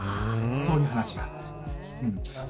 そういう話がありました。